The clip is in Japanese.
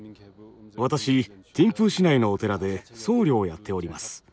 私ティンプー市内のお寺で僧侶をやっております。